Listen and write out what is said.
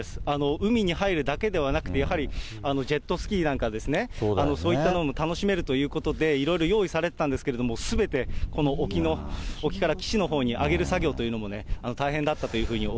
海に入るだけではなくて、やっぱりジェットスキーなんかですね、そういったのも楽しめるということで、いろいろ用意されてたんですけど、すべてこの沖から岸のほうに上げる作業というのも大変だったとい